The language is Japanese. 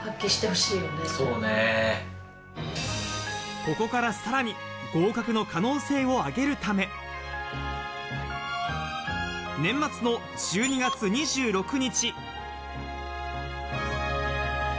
ここからさらに合格の可能性を上げるため、年末の１２月２６日。